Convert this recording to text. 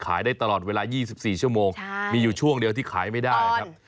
ขายได้ตลอดเวลา๒๔ชั่วโมงมีอยู่ช่วงเดียวที่ขายไม่ได้ครับ